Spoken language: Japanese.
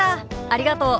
ありがとう。